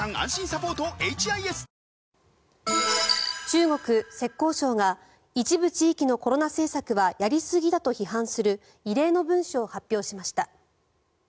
中国・浙江省が一部地域のコロナ政策はやりすぎだと批判する異例の文書を発表しました。